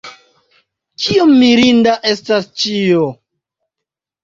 Kiom mirinda estas ĉio!